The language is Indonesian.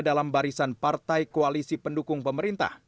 dalam barisan partai koalisi pendukung pemerintah